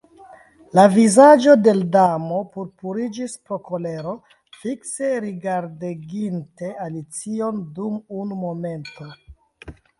La vizaĝo de l' Damo purpuriĝis pro kolero; fikse rigardeginte Alicion dum unu momento